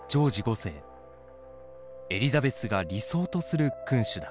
エリザベスが理想とする君主だ。